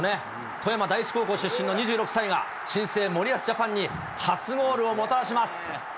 富山第一高校出身の２６歳が、新生森保ジャパンに初ゴールをもたらします。